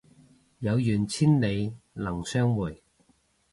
有緣千里能相會